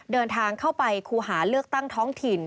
เดินทางเข้าไปคูหาเลือกตั้งท้องถิ่น